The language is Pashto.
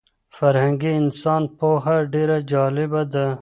فرهنګي انسان پوهنه ډېره جالبه ده.